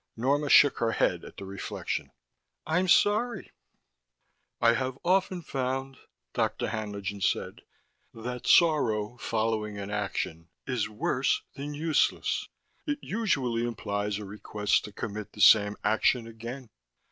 Norma shook her head at the reflection. "I'm sorry." "I have often found," Dr. Haenlingen said, "that sorrow following an action is worse than useless. It usually implies a request to commit the same action again."